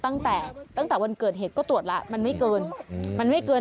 ตั้งแต่ตั้งแต่วันเกิดเหตุก็ตรวจแล้วมันไม่เกิน